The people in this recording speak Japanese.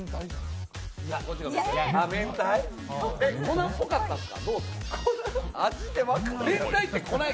粉っぽかったっすか？